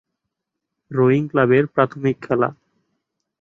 Rowing ক্লাবের প্রাথমিক খেলা।